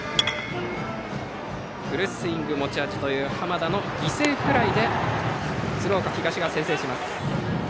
フルスイングが持ち味という濱田の犠牲フライで鶴岡東が先制します。